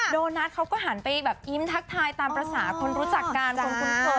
โดนัทเขาก็หันไปแบบยิ้มทักทายตามภาษาคนรู้จักกันคนคุ้นเคย